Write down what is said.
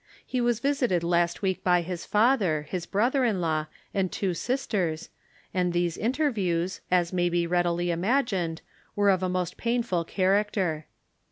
He was visited last week by his father, his brother in law, and two sisters, and these interviews, as may be readily imagined, were of a most painful character.